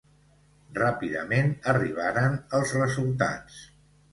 Ràpidament arribaren els resultats.